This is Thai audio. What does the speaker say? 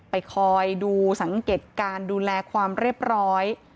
คอยดูสังเกตการดูแลความเรียบร้อย